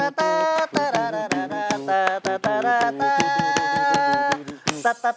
ขอบคุณครับ